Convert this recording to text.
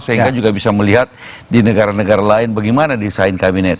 sehingga juga bisa melihat di negara negara lain bagaimana desain kabinet